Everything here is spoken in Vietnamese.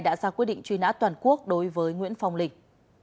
đã ra quyết định truy nã toàn quốc đối với nguyễn phong linh